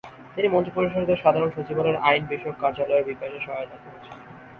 তিনি মন্ত্রিপরিষদের সাধারণ সচিবালয়ে আইন বিষয়ক কার্যালয়ের বিকাশে সহায়তা করেছিলেন।